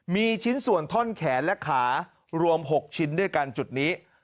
มีชิ้นส่วนท่อนแขนและขารวม๖ชิ้นด้วยกันจุดนี้